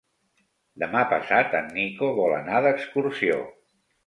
Demà passat en Nico vol anar d'excursió.